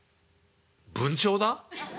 「文鳥だ？